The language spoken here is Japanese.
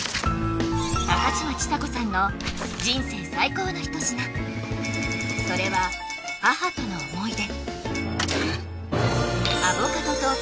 高嶋ちさ子さんの人生最高の一品それは母との思い出